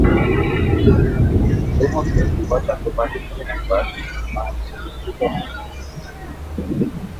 এরমধ্যে দু’বার জাতীয় পার্টির হয়ে একবার বাংলাদেশ জাতীয়তাবাদী দলের হয়ে নির্বাচিত হন।